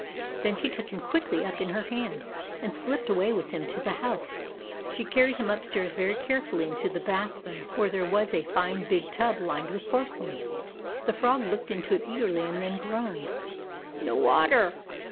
Then she took him quickly up in her hands, and slipped away with him to the house. She carried him upstairs very care fully into the bath room, where there was a THE ANIMAL PARTY 129 fine big tub lined with porcelain. The Frog looked into it eagerly, and then groaned. " No water